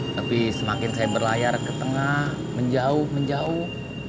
tapi semakin saya berlayar ke tengah menjauh menjauh